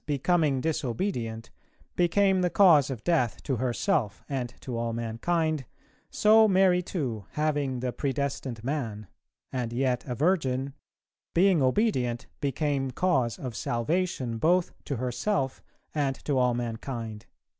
"becoming disobedient, became the cause of death to herself and to all mankind, so Mary too, having the predestined Man, and yet a Virgin, being obedient, became cause of salvation both to herself and to all mankind."